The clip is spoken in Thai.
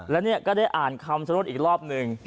แล้วเนี่ยก็ได้อ่านคำชโนธอีกรอบหนึ่ง